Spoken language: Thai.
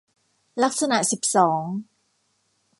ลักษณะสิบสอง